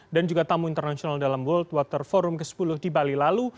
dan juga tamu internasional dalam world water forum ke sepuluh di bali lalu